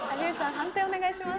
判定お願いします。